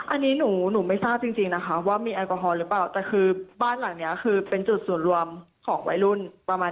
อันนี้หนูไม่ทราบจริงนะคะว่ามีแอลกอฮอลหรือเปล่าแต่คือบ้านหลังนี้คือเป็นจุดศูนย์รวมของวัยรุ่นประมาณ